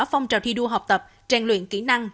phong trào thi đua học tập trang luyện kỹ năng